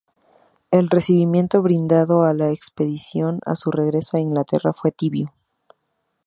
El recibimiento brindado a la expedición, a su regreso a Inglaterra, fue tibio.